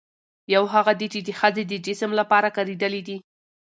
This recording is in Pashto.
يوهغه دي، چې د ښځې د جسم لپاره کارېدلي دي